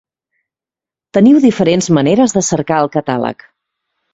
Teniu diferents maneres de cercar al catàleg.